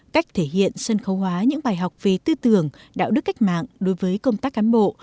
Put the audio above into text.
cách thể hiện sân khấu hóa những bài học về tư tưởng đạo đức cách mạng đối với công tác cán bộ